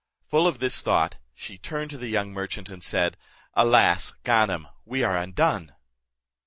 Full of this thought, she turned to the young merchant and said, "Alas! Ganem, we are undone."